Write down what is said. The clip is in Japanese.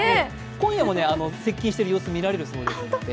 今夜も接近している様子が見られるようですので。